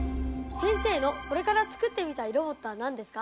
先生のこれから作ってみたいロボットは何ですか？